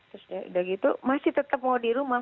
terus udah gitu masih tetap mau di rumah